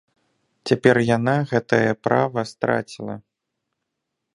Цяпер яна гэтае права страціла.